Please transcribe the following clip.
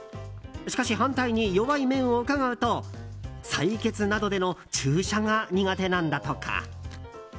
しかし、反対に弱い面を伺うと採血などでの注射が苦手なんだとか。